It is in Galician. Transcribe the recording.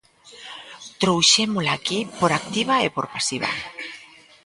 Trouxémola aquí por activa e por pasiva.